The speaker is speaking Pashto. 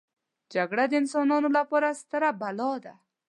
جګړه د انسانانو لپاره ستره بلا ده